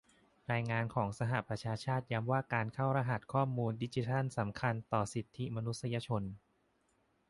รายงานของสหประชาชาติย้ำว่าการเข้ารหัสข้อมูลดิจิทัลสำคัญต่อสิทธิมนุษยชน